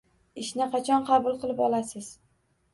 Ishni qachon qabul qilib olasiz?